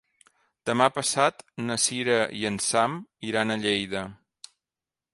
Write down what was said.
Demà passat na Sira i en Sam iran a Lleida.